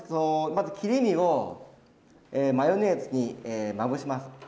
まず切り身をマヨネーズにまぶします。